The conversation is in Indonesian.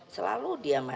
selalu dia masuk